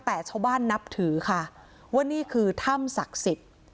แต่ชาวบ้านนับถือค่ะว่านี่คือถ้ำศักดิ์สิทธิ์